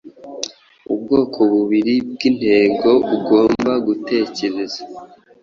ubwoko bubiri bwintego ugomba gutekereza